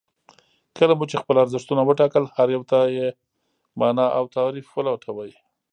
کله مو چې خپل ارزښتونه وټاکل هر يو ته يې مانا او تعريف ولټوئ.